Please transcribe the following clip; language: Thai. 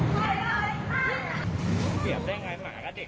ก็ไม่มีคนเข้ามาไม่มีคนเข้ามา